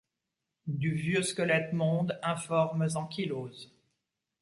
Du vieux squelette monde informes ankyloses